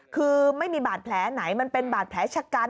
คือไม่มีบาดแผลไหนมันเป็นบาดแผลชะกัน